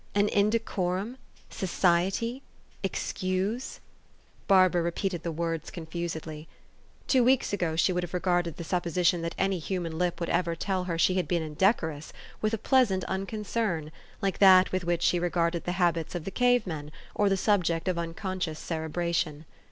An indecorum f Society? Excuse? Barbara repeated the words confusedly. Two weeks ago she would have regarded the suppo sition that any human lip would ever tell her she had been indecorous, with a pleasant unconcern, like that with which she regarded the habits of the cave men, or the subject of unconscious cerebration.